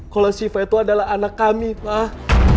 kalau siva itu adalah anak kami pak